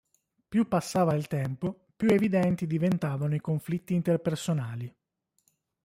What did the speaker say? Più passava il tempo, più evidenti diventavano i conflitti interpersonali.